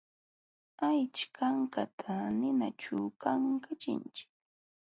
Aycha kankata ninaćhuumi kankachinchik.